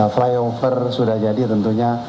flyover sudah jadi tentunya